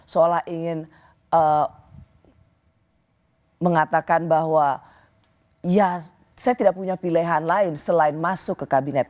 seolah ingin mengatakan bahwa ya saya tidak punya pilihan lain selain masuk ke kabinet